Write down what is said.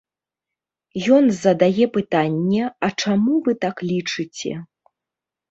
Ён задае пытанне, а чаму вы так лічыце.